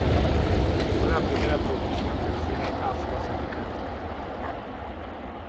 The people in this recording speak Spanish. Fue la primera producción del cine afroamericano.